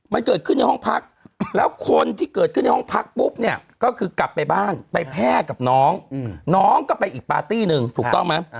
มันเกิดขึ้นในห้องพักแล้วคนที่เกิดขึ้นในห้องพักปุ๊บเนี่ยก็คือกลับไปบ้านไปแพร่กับน้องน้องก็ไปอีกปาร์ตี้หนึ่งถูกต้องไหม